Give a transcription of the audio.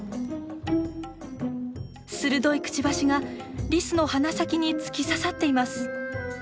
鋭いくちばしがリスの鼻先に突き刺さっています。